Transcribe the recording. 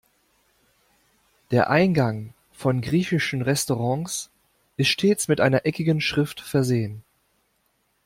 Der Eingang von griechischen Restaurants ist stets mit einer eckigen Schrift versehen.